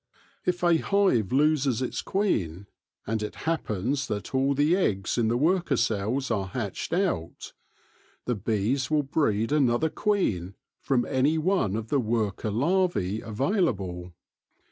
If a hive loses its queen, and it happens that all the eggs in the worker cells are hatched out, the bees will breed another queen from any one of the worker larvae available.